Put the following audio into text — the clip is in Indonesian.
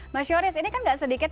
mas yoris ini kan gak sedikit